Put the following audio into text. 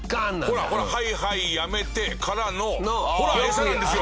コラコラはいはいやめてからのほら餌なんですよ。